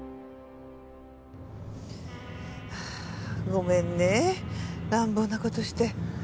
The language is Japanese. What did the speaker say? ごめんね乱暴な事して。